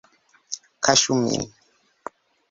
Kaŝu min!